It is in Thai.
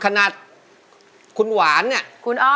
ขนาดคุณหวานเนี่ย